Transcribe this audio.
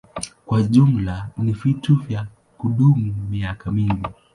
Kwa jumla ni vitu vya kudumu miaka mingi.